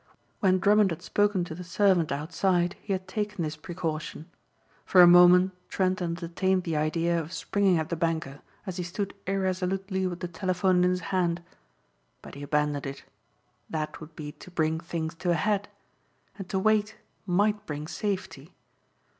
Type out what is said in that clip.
When Drummond had spoken to the servant outside he had taken this precaution. For a moment Trent entertained the idea of springing at the banker as he stood irresolutely with the telephone in his hand. But he abandoned it. That would be to bring things to a head. And to wait might bring safety.